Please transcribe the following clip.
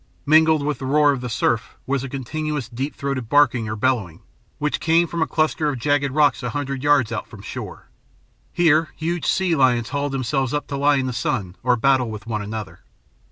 Mingled with the roar of the surf was a continuous, deep throated barking or bellowing, which came from a cluster of jagged rocks a hundred yards out from shore. Here huge sea lions hauled themselves up to lie in the sun or battle with one another.